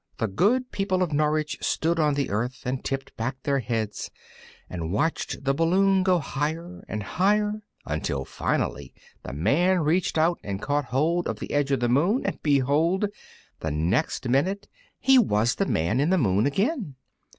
The good people of Norwich stood on the earth and tipped back their heads, and watched the balloon go higher and higher, until finally the Man reached out and caught hold of the edge of the moon, and behold! the next minute he was the Man in the Moon again!